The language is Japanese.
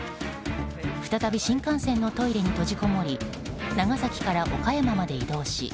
再び新幹線のトイレに閉じこもり長崎から岡山まで移動し